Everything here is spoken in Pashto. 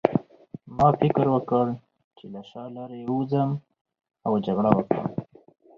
ما فکر وکړ چې له شا لارې ووځم او جګړه وکړم